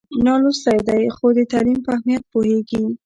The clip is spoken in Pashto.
نالوستی دی خو د تعلیم په اهمیت پوهېږي.